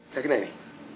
saki deh ini